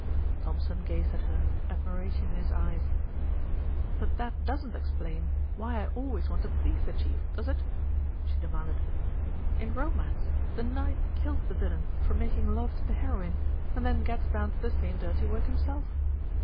Thompson gazed at her, admiration in his eyes. "But that doesn't explain why I always want to please the Chief, does it?" she demanded. "In romance, the knight kills the villain for making love to the heroine, and then gets down to the same dirty work himself.